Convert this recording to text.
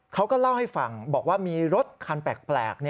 เขาก็เล่าให้ฟังบอกว่ามีรถคันแปลก